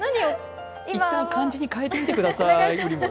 一旦、ウリを漢字に変えてみてください。